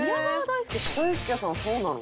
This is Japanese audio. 大輔さんそうなの？